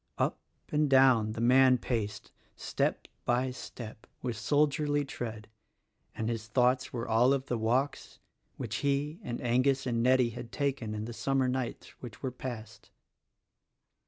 Up and down the man paced step by step with soldierly tread, and his thoughts were all of the walks which he and Angus and Nettie had taken in the summer nights which were past.